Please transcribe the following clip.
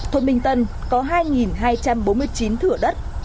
thôn minh tân có hai hai trăm bốn mươi chín thửa đất